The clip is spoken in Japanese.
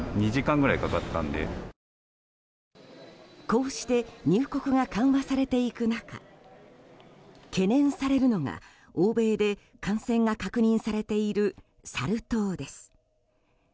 こうして入国が緩和されていく中懸念されるのが、欧米で感染が確認されている、サル痘です。